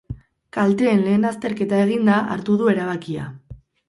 Kalteen lehen azterketa eginda hartu du erabakia.